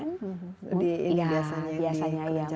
dia ini biasanya di kelenjar